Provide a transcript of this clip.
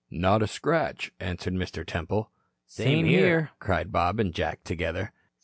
"Not a scratch," answered Mr. Temple. "Same here," cried Bob and Jack together.